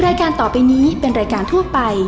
รายการต่อไปนี้เป็นรายการทั่วไป